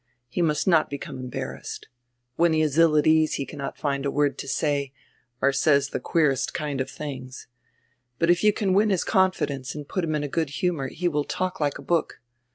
He must not become embar rassed. When he is ill at ease he cannot find a word to say, or says the queerest kind of firings. But if you can win his confidence and put him in a good humor he will talk like a book.